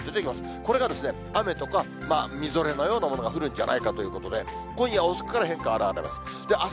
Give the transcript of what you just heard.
これが雨とかみぞれのようなものが降るんじゃないかということで、今夜遅くから変化表れます。